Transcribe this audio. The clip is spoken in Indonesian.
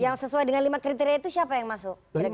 yang sesuai dengan lima kriteria itu siapa yang masuk